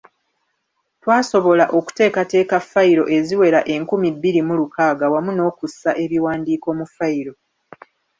Twasobola okuteekateeka fayiro eziwera enkumi bbiri mu lukaaga wamu n’okussa ebiwandiiko mu fayiro.